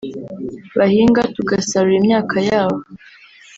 bahinga tugasarura imyaka yabo